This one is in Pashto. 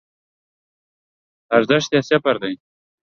ارزښت یی صفر دی